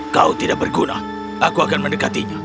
kau tidak berguna aku akan mendekatinya